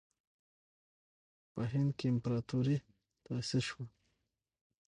په هند کې امپراطوري تأسیس شوه.